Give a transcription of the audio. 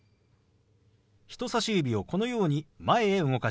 人さし指をこのように前へ動かします。